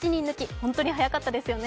本当に速かったですよね。